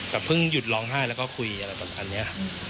แต่เพิ่งหยุดร้องไห้แล้วก็คุยอะไรประมาณนี้